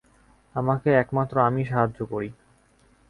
আমাকে একমাত্র আমিই সাহায্য করি।